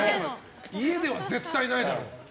家では絶対ないだろ。